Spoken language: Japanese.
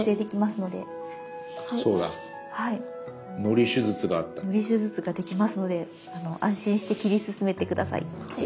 のり手術ができますので安心して切り進めて下さい。